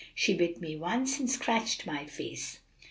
"She bit me once, and scratched my face."